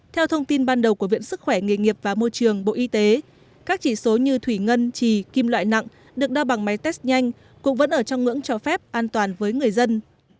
theo thông tin ban đầu của viện sức khỏe nghề nghiệp và môi trường bộ y tế các chỉ số như thủy ngân trì kim loại nặng được đa bằng máy test nhanh cũng vẫn ở trong ngưỡng cho phép an toàn với người dân